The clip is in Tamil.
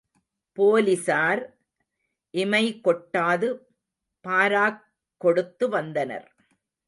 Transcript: போலிஸார் இமைகொட்டாது பாராக் கொடுத்து வந்தனர்.